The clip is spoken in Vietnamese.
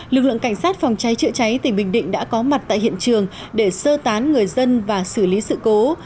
lực lượng cảnh sát phòng cháy chữa cháy tỉnh bình định đã có mặt tại hiện trường để sơ tán người dân và xử lý sự cố